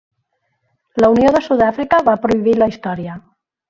La Unió de Sud-àfrica va prohibir la història.